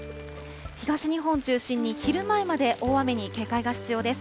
東日本中心に昼前まで大雨に警戒が必要です。